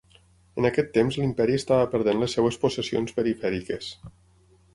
En aquest temps l'imperi estava perdent les seves possessions perifèriques.